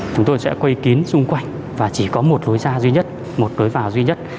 chúng tôi sẽ quây kín xung quanh và chỉ có một đối xa duy nhất một đối vào duy nhất